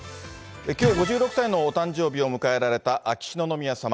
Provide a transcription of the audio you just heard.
きょう、５６歳のお誕生日を迎えられた秋篠宮さま。